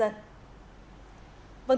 rồi quên mất nó